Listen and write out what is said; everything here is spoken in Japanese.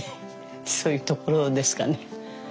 そういうところですかね。